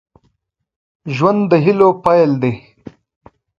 ژوند د هيلو پيل دی